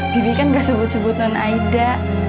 didi kan gak sebut sebut non aida